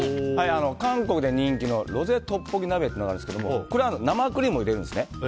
韓国で人気のロゼトッポギ鍋というのがあるんですけどこれは生クリームを入れるんですね。